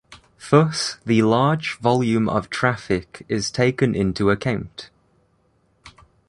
Thus the large volume of traffic is taken into account.